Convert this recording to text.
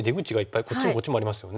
こっちもこっちもありますよね。